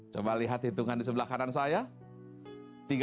coba lihat hitungan di sebelah kanan saya